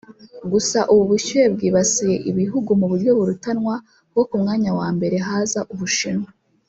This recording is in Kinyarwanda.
Gusa ubu bushyuhe bwibasiye ibihugu mu buryo burutanwa kuko ku mwanya wa mbere haza Ubushinwa